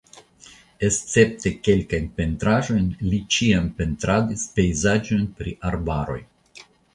Escepte kelkajn pentraĵojn li ĉiam pentradis pejzaĝojn pri arbaroj.